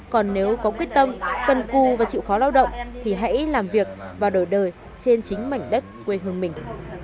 còn nếu có quyết tâm cần cù và chịu khó lao động thì hãy làm việc và đổi đời trên chính mảnh đất quê hương mình